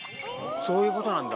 そういうことなんだ。